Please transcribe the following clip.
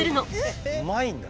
うまいんだ。